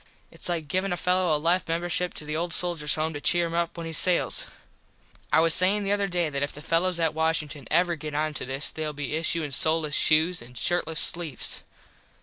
Its like givin a fello a life membership to the Old Soldiers home to cheer him up when he sails. I was sayin the other day that if the fellos at Washington ever get onto this theyll be issuin soleles shoes and shirtles sleves.